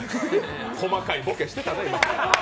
細かいボケしてたね。